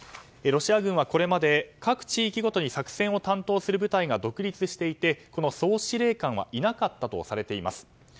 ロシア軍はこれまで各地域ごとに作戦を担当する部隊が独立していて、この総司令官はいなかったとされています。